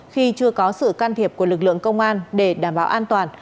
khi chưa có sự can thiệp của lực lượng công an để đảm bảo an toàn